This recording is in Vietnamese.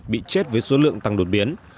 bị chết với số lượng tăng đột biến